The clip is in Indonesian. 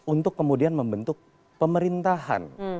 untuk kemudian membentuk pemerintahan